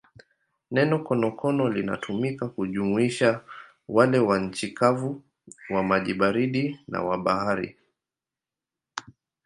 Neno konokono linatumika kujumuisha wale wa nchi kavu, wa maji baridi na wa bahari.